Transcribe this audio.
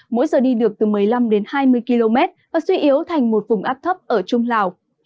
mỗi giờ đi được từ một mươi năm đến hai mươi km và suy yếu thành một vùng áp thấp ở trung lào